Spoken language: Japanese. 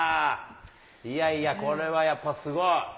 いやいや、これはやっぱすごい。